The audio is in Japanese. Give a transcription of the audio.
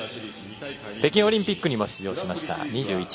北京オリンピックにも出場しました。